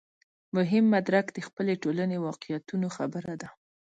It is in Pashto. مهم مدرک د خپلې ټولنې واقعیتونو خبره ده.